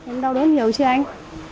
em đau đớn nhiều chưa anh